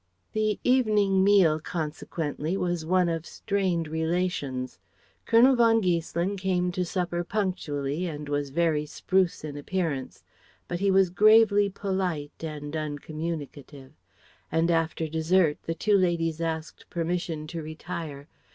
The evening meal consequently was one of strained relations. Colonel von Giesselin came to supper punctually and was very spruce in appearance. But he was gravely polite and uncommunicative. And after dessert the two ladies asked permission to retire.